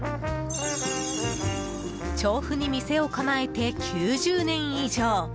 調布に店を構えて、９０年以上。